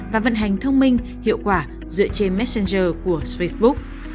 và vận hành thông minh hiệu quả dựa trên messenger của facebook